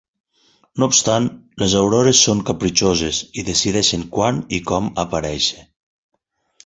No obstant, les aurores són capritxoses i decideixen quan i com aparèixer.